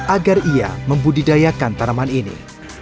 agar ia membudidayakan tanaman ini